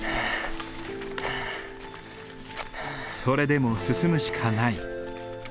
それでも進むしかない。